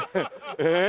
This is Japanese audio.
ええ？